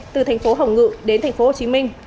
từ thành phố hồng ngự đến thành phố hồ chí minh